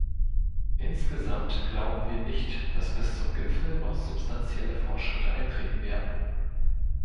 Insgesamt glauben wir nicht, dass bis zum Gipfel noch substanzielle Fortschritte eintreten werden.